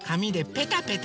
ペタペタ。